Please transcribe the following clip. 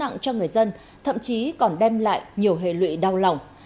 hủ tục lạc hậu cho người dân thậm chí còn đem lại nhiều hệ lụy đau lòng